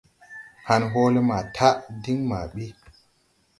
Han hɔɔlɛ maa taʼ diŋ maa ɓi.